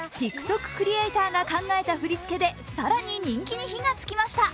クリエイターが考えた振り付けで更に人気に火が付きました。